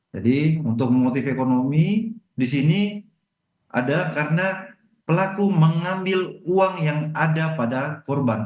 jadi untuk mengotif ekonomi disini ada karena pelaku mengambil uang yang ada pada korban